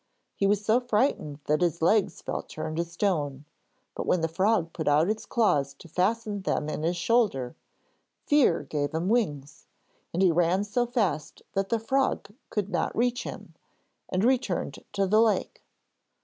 He was so frightened that his legs felt turned to stone; but when the frog put out its claws to fasten them in his shoulders, fear gave him wings, and he ran so fast that the frog could not reach him, and returned to the lake.